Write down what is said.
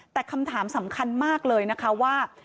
แต่คำถามสำคัญมากเลยนะคะว่า